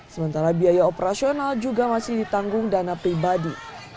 sementara biaya operasional juga masih ditanggung dana pribadi